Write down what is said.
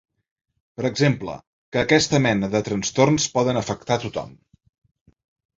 Per exemple, que aquesta mena de trastorns poden afectar tothom.